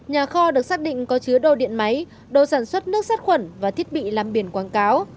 nhà kho được xác định có chứa đồ điện máy đồ sản xuất nước sát khuẩn và thiết bị làm biển quảng cáo